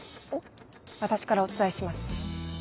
私からお伝えします。